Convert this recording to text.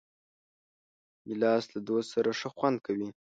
ګیلاس له دوست سره ښه خوند کوي.